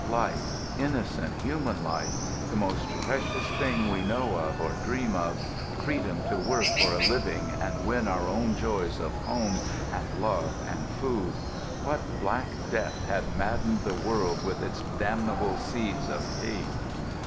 Life, innocent human life—the most precious thing we know or dream of, freedom to work for a living and win our own joys of home and love and food—what Black Death had maddened the world with its damnable seeds of hate?